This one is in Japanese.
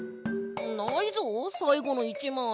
ないぞさいごの１まい。